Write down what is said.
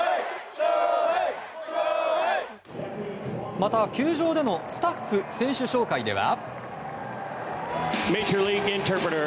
また、球場でのスタッフ、選手紹介では。